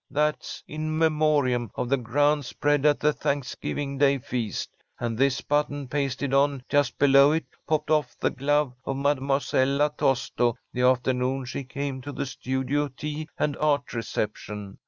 "That's 'In Memoriam' of the grand spread at the Thanksgiving Day feast. And this button pasted on just below it, popped off the glove of Mademoiselle La Tosto the afternoon she came to the Studio Tea and Art reception.